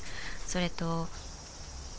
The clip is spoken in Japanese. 「それと」